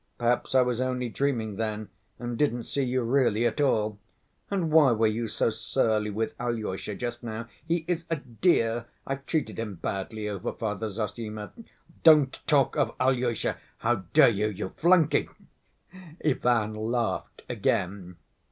Perhaps I was only dreaming then and didn't see you really at all—" "And why were you so surly with Alyosha just now? He is a dear; I've treated him badly over Father Zossima." "Don't talk of Alyosha! How dare you, you flunkey!" Ivan laughed again.